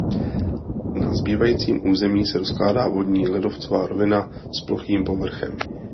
Na zbývajícím území se rozkládá vodní ledovcová rovina s plochým povrchem.